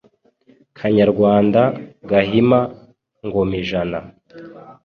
Kanyarwanda Gahima Ngomijana,